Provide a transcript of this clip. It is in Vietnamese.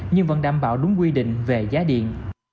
nhưng vẫn đảm bảo đúng quy định về giá điện